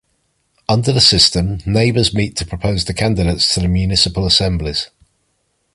Under the system, neighbors meet to propose the candidates to the Municipal Assemblies.